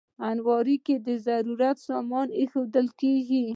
الماري کې د ضرورت سامان ایښودل کېږي